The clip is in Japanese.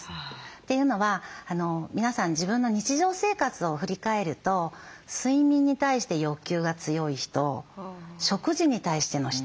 というのは皆さん自分の日常生活を振り返ると睡眠に対して欲求が強い人食事に対しての人